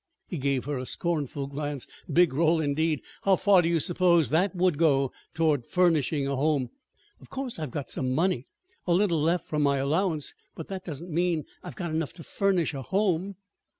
He gave her a scornful glance. "Big roll, indeed! How far do you suppose that would go toward furnishing a home? Of course I've got some money a little left from my allowance but that doesn't mean I've got enough to furnish a home."